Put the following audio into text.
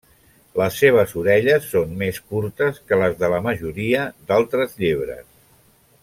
Les seves orelles són més curtes que les de la majoria d'altres llebres.